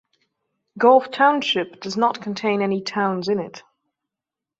Gulf Township does not contain any towns in it.